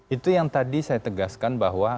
itu yang tadi saya tegaskan bahwa